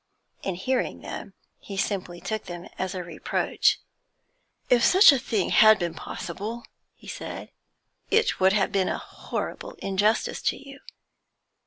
In hearing them, he simply took them as a reproach. 'If such a thing had been possible,' he said, 'it would have been a horrible injustice to you.